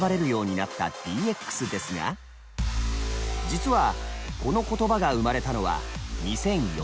実はこの言葉が生まれたのは２００４年。